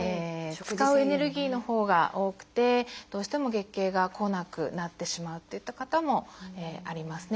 使うエネルギーのほうが多くてどうしても月経が来なくなってしまうっていった方もありますね。